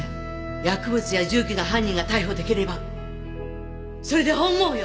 薬物や銃器の犯人が逮捕出来ればそれで本望よ！